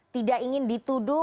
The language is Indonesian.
tidak ingin dituduh